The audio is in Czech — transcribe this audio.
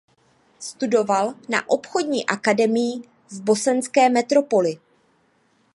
Studoval na obchodní akademii v bosenské metropoli.